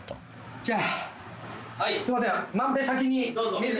じゃあすいません